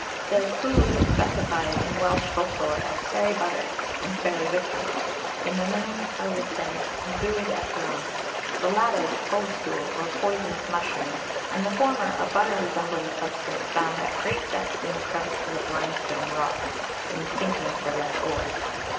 Their food is specified in Welsh folk lore as fairy butter and fairy victuals, ymenyn tylwyth teg and bwyd ellyllon; the latter the toadstool, or poisonous mushroom, and the former a butter resembling substance found at great depths in the crevices of limestone rocks, in sinking for lead ore.